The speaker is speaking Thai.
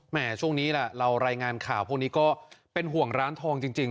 ช่วงนี้ล่ะเรารายงานข่าวพวกนี้ก็เป็นห่วงร้านทองจริง